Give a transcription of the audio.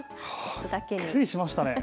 びっくりしましたね。